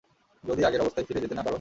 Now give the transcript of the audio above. যদি আগের অবস্থায় ফিরে যেতে না পারো?